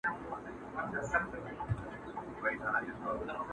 فکرونه ورو ورو پراخېږي ډېر،